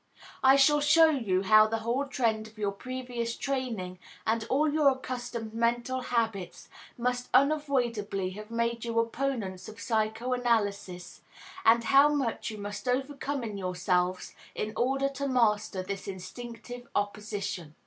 I shall show you how the whole trend of your previous training and all your accustomed mental habits must unavoidably have made you opponents of psychoanalysis, and how much you must overcome in yourselves in order to master this instinctive opposition.